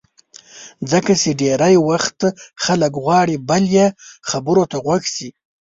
ځکه چې ډېری وخت خلک غواړي بل یې خبرو ته غوږ شي.